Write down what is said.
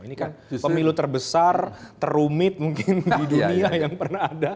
ini kan pemilu terbesar terumit mungkin di dunia yang pernah ada